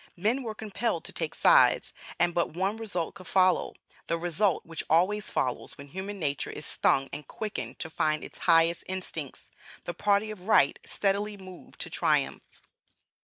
Men were compelled to take sides, and but one result could follow, (the result which always follows when human nature is stung and quickened to find its highest instincts,) the Party of Right steadily moved to triumph.